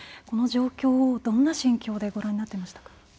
この状況をどんな心境でご覧になっていましたか。